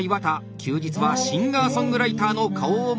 休日はシンガーソングライターの顔を持つそうです。